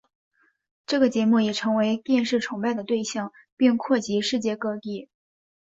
这个节目也成为电视崇拜的对象并扩及世界各地。